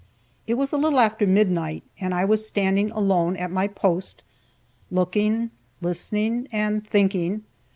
It was a little after midnight, and I was standing alone at my post, looking, listening, and thinking.